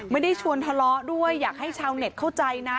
ไม่ได้ชวนทะเลาะด้วยอยากให้ชาวเน็ตเข้าใจนะ